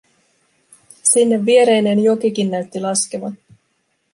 Sinne viereinen jokikin näytti laskevan.